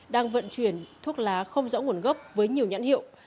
đang vận chuyển thuốc lá không rõ nguồn gốc với nhiều nhãn hiệu